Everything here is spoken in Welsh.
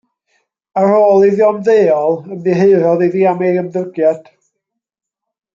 Ar ôl iddo ymddeol ymddiheurodd iddi am ei ymddygiad.